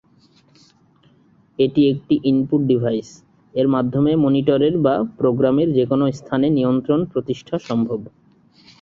এটি একটি input device, এর মাধ্যমে মনিটরের বা প্রোগ্রামের যে কোন স্থানে নিয়ন্ত্রণ প্রতিষ্ঠা সম্ভব।